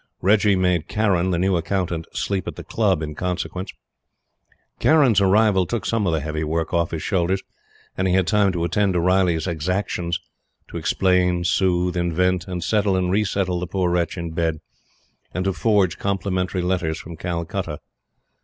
Reggie made Carron, the new Accountant, sleep at the Club in consequence. Carron's arrival took some of the heavy work off his shoulders, and he had time to attend to Riley's exactions to explain, soothe, invent, and settle and resettle the poor wretch in bed, and to forge complimentary letters from Calcutta.